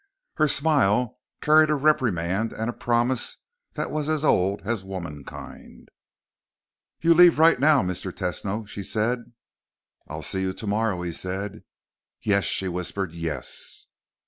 Her smile carried a reprimand and a promise that was as old as womankind. "You leave right now, Mr. Tesno," she said. "I'll see you tomorrow?" he said. "Yes!" she whispered. "Yes!"